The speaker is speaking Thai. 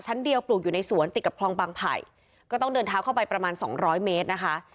เดียวปลูกอยู่ในสวนติดกับคลองบางไผ่ก็ต้องเดินเท้าเข้าไปประมาณสองร้อยเมตรนะคะ